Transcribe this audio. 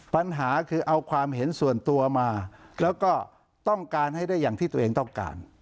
ปัญหาคือเอาความเห็นส่วนตัวมาแล้วก็ต้องการให้ได้อย่างที่ตัวเองต้องการ